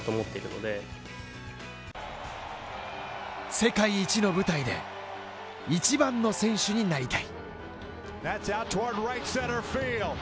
世界一の舞台で、一番の選手になりたい。